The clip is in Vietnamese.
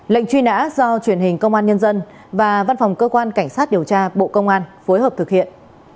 lệnh truy nã do truyền hình công an nhân dân và văn phòng cơ quan cảnh sát điều tra bộ công an phối hợp thực hiện